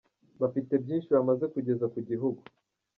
bafite byinshi bamaze kugeza ku gihugu.